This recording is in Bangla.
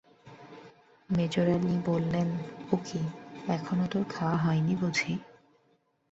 মেজোরানী বললেন, ও কী, এখনো তোর খাওয়া হয় নি বুঝি?